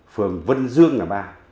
phường vân dương là ba